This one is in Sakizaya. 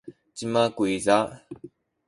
cima kuyza?